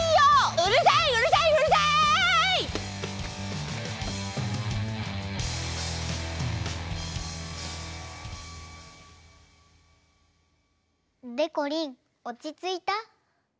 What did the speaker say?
うるさいうるさいうるさい！でこりんおちついた？